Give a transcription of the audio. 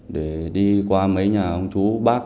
để đi qua mấy nhà ông chú bác